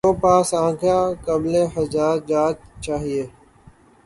بھَوں پاس آنکھ قبلۂِ حاجات چاہیے